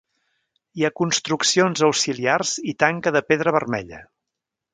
Hi ha construccions auxiliars i tanca de pedra vermella.